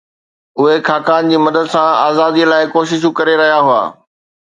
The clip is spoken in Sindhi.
اهي خاقان جي مدد سان آزاديءَ لاءِ ڪوششون ڪري رهيا هئا